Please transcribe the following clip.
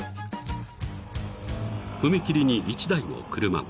［踏切に１台の車が］